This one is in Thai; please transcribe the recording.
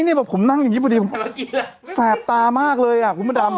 ไม่ผมนั่งอย่างตอนนี้สาบตามากเลยอ่ะคุณเมื่อดำ